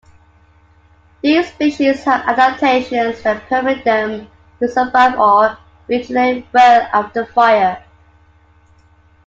These species have adaptations that permit them to survive or regenerate well after fire.